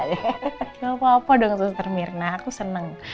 gak apa apa dong suster mirna aku seneng